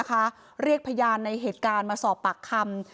คนเจ็ดนะคะเรียกพยานในเหตุการณ์มาสอบปากคำ